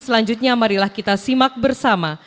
selanjutnya marilah kita simak bersama